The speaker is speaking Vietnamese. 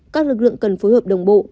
các lực lượng cần phối hợp đồng bộ